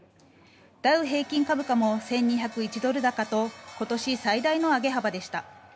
ダウ平均株価も１２０１ドル高と今年最大の上げ幅でした。